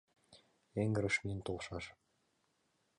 Эҥерыш миен толшаш.